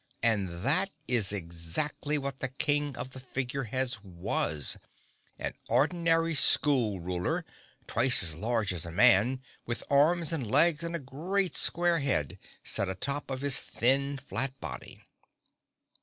And that is exactly what the King of the Figure Heads was—an ordinary school ruler, twice as large as a man, with arms and legs and a great square head set atop of his thin flat body.